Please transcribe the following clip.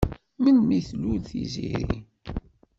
Melmi i tlul Tiziri?